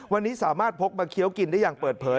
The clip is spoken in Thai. วันนี้สามารถพกมาเคี้ยวกินได้อย่างเปิดเผย